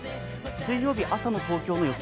水曜日朝の東京の予想